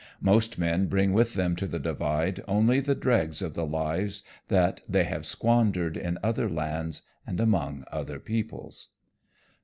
Most men bring with them to the Divide only the dregs of the lives that they have squandered in other lands and among other peoples.